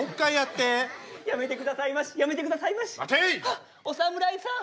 あっお侍さん！